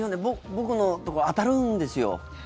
僕のとこ、当たるんですよ。